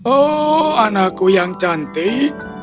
oh anakku yang cantik